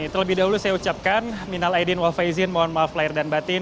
terlebih dahulu saya ucapkan minal aidin wafaizin mohon maaf lahir dan batin